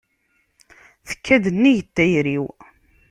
Tekka-d nnig n tayri-w.